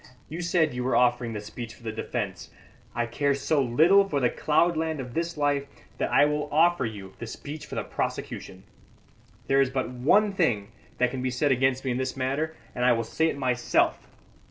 You said you were offering the speech for the defence. I care so little for the cloudland of this life that I will offer you the speech for the prosecution. There is but one thing that can be said against me in this matter, and I will say it myself.